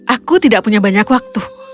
aku tidak punya banyak waktu